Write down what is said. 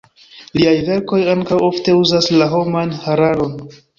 Liaj verkoj ankaŭ ofte uzas la homan hararon.